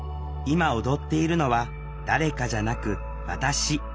今踊っているのは誰かじゃなく私。